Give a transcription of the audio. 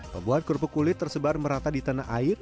pembuat kerupuk kulit tersebar merata di tanah air